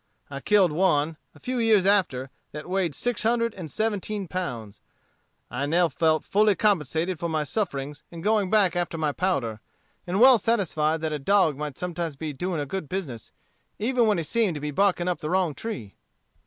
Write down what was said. I killed one, a few years after, that weighed six hundred and seventeen pounds. I now felt fully compensated for my sufferings in going back after my powder; and well satisfied that a dog might sometimes be doing a good business, even when he seemed to be barking up the wrong tree.